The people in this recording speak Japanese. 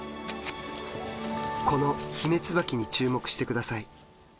このヒメツバキに注目して下さい。